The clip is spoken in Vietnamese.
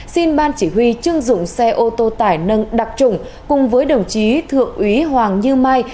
xin ban chỉ huy chưng dụng xe ô tô tải nâng đặc trùng cùng với đồng chí thượng úy hoàng như mai